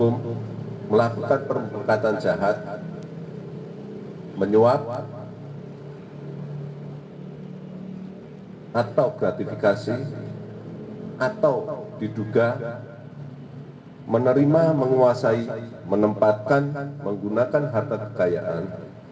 menerima menguasai menempatkan menggunakan harta kekayaan